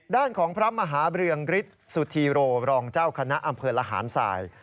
ด้านของพระมหาเรืองฤทธิ์สุธีโรรองเจ้าคณะอำเภอระหารสาย